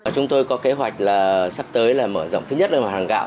chúng tôi có kế hoạch là sắp tới là mở rộng thứ nhất là mặt hàng gạo